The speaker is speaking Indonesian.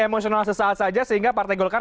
emosional sesaat saja sehingga partai golkar